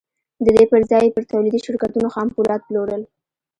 د دې پر ځای يې پر توليدي شرکتونو خام پولاد پلورل.